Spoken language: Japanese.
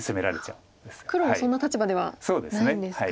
黒もそんな立場ではないんですか。